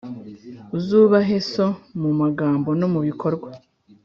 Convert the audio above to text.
Uzubahe so mu magambo no mu bikorwa,